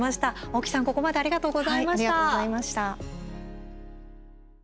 大木さん、ここまでありがとうございました。